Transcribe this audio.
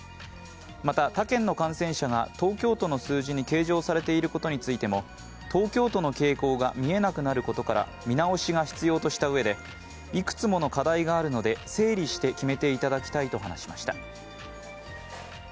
また他県の感染者が東京都の数字に計上されていることについても東京都の傾向が見えなくなることから見直しが必要としたうえでいくつもの課題があるので整理して決めていただきたいと話しました。